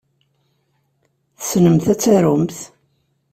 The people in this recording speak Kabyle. Tessnemt ad tarumt.